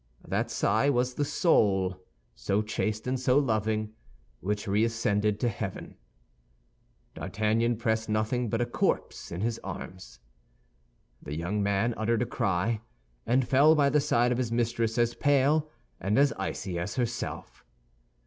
That sigh was the soul, so chaste and so loving, which reascended to heaven. D'Artagnan pressed nothing but a corpse in his arms. The young man uttered a cry, and fell by the side of his mistress as pale and as icy as herself.